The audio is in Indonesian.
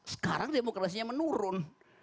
sekarang demokrasinya menurun